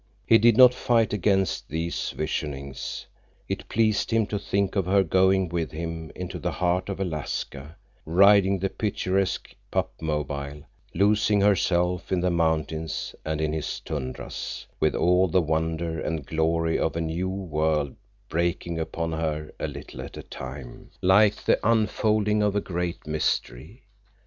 He did not fight against these visionings. It pleased him to think of her going with him into the heart of Alaska, riding the picturesque "pup mobile," losing herself in the mountains and in his tundras, with all the wonder and glory of a new world breaking upon her a little at a time, like the unfolding of a great mystery.